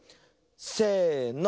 せの。